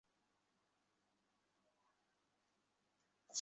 যে ক্রিয়া কোন কর্ম গ্রহণ করে না তাকে অকর্মক ক্রিয়া বলে।